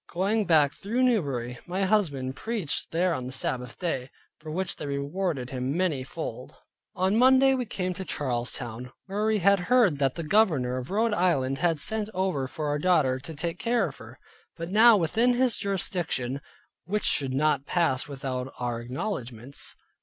Going back through Newbury my husband preached there on the Sabbath day; for which they rewarded him many fold. On Monday we came to Charlestown, where we heard that the governor of Rhode Island had sent over for our daughter, to take care of her, being now within his jurisdiction; which should not pass without our acknowledgments.